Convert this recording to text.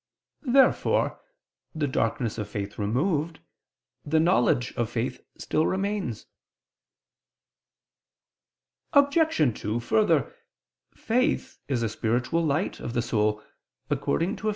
Therefore, the darkness of faith removed, the knowledge of faith still remains. Obj. 2: Further, faith is a spiritual light of the soul, according to Eph.